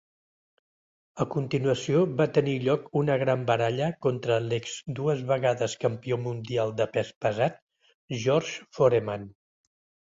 A continuació, va tenir lloc una gran baralla contra l'ex dues vegades campió mundial de pes pesat George Foreman.